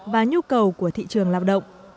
và nhu cầu của thị trường lao động